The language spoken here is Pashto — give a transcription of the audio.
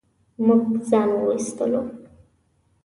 موږ ځان و ايستو.